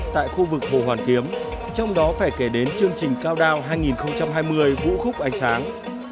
tại khu vực hồ hoàn kiếm trong đó phải kể đến chương trình cao đao hai nghìn hai mươi vũ khúc ánh sáng